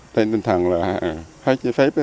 tên tinh thần là khách trái phép